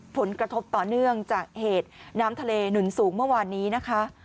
ผลกระทบต่อเนื่องจากเหตุน้ำทะเลหนุนสูงเมื่อวานนี้นะคะ